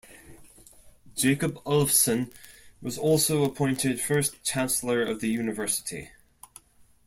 Jakob Ulvsson was also appointed first chancellor of the university.